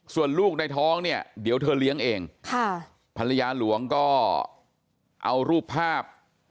ส่วนลูกในท้องเนี่ยเดี๋ยวเธอเลี้ยงเองค่ะภรรยาหลวงก็เอารูปภาพ